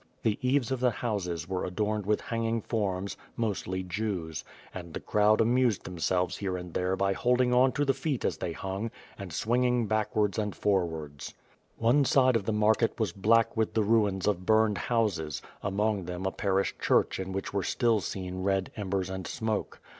The eaves of the houses were adorned with hanging forms, mostly Jews, and the crowd amused themesleves here and there by holding on to the feet as they hung, and swing ing backwards and forwards. One side of the market was black with the ruins of burned houses, among them a parish church in which were still seen red embers and smoke.